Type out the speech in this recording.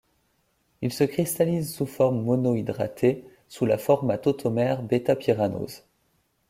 Il se cristallise sous forme monohydraté sous la forma tautomère β-pyranose.